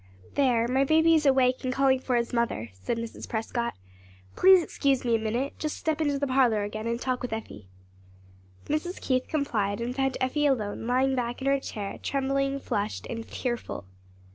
"There, my baby is awake and calling for his mother," said Mrs. Prescott. "Please excuse me a minute. Just step into the parlor again and talk with Effie." Mrs. Keith complied and found Effie alone, lying back in her chair, trembling, flushed and tearful.